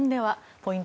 ポイント